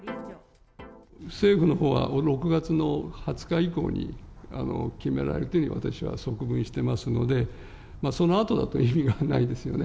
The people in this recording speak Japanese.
政府のほうは６月の２０日以降に決められるというふうに、私は側聞していますので、そのあとだと意味がないですよね。